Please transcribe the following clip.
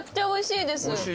おいしいですよね。